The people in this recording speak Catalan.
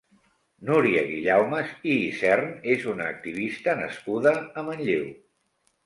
Núria Guillaumes i Isern és una activista nascuda a Manlleu.